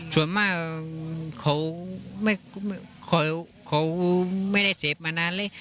ส่วนมากเขาไม่ได้เสพมานานเลย